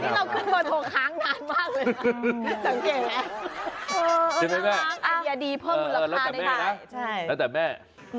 แล้วแต่แม่